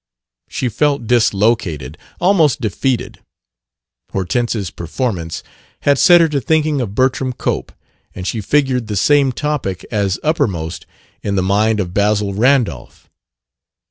She felt dislocated, almost defeated. Hortense's performance had set her to thinking of Bertram Cope, and she figured the same topic as uppermost in the mind of Basil Randolph.